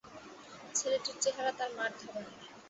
ছেলেটির চেহারা তাহার মার ধরনের।